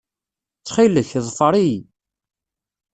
Ttxil-k, ḍfer-iyi.